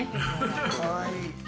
かわいい。